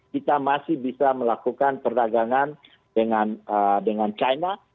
kita masih bisa melakukan perdagangan dengan china